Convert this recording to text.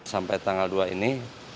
sampai tanggal dua ini